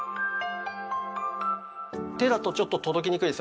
手だとちょっと届きにくいですよね。